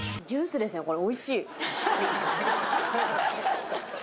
おいしい。